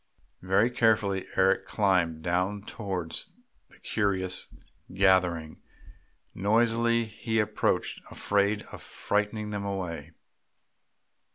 Very carefully Eric climbed down towards that curious gathering. Noiselessly he approached, afraid of frightening them away.